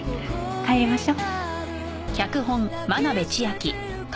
帰りましょう。